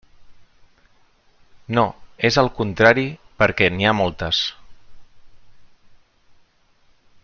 No, és, al contrari, perquè n'hi ha moltes.